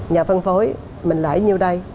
nhà phân phối mình lấy nhiêu đây